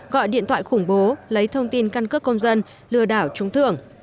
gọi điện thoại khủng bố lấy thông tin căn cước công dân lừa đảo trung thường